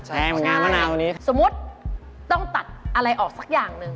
สมมติต้องตัดอะไรออกสักอย่างหนึ่ง